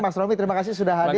mas romy terima kasih sudah hadir